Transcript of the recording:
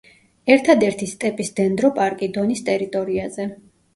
ერთადერთი სტეპის დენდროპარკი დონის ტერიტორიაზე.